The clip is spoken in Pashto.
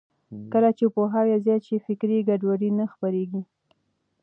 کله چې پوهاوی زیات شي، فکري ګډوډي نه خپرېږي.